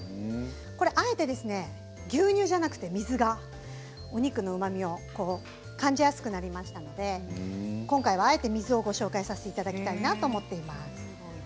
これはあえて牛乳ではなくて水がお肉のうまみを感じやすくなりますので今回は、あえて水をご紹介させていただきたいなと思っています。